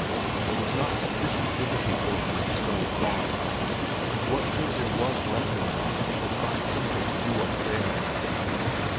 There was not sufficient liberty for him at Stone Farm. What good there was left in him would find something to do up there.